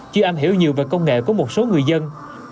chưa am hiểu nhiều về công nghệ của một số người dân